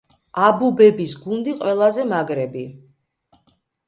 აბუბების გუნდი ყველაზე მაგრები